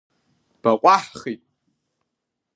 Баҟәаҳхит!